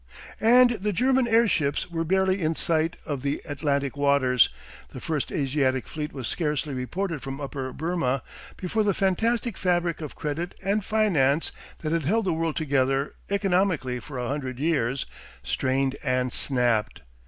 And the German airships were barely in sight of the Atlantic waters, the first Asiatic fleet was scarcely reported from Upper Burmah, before the fantastic fabric of credit and finance that had held the world together economically for a hundred years strained and snapped.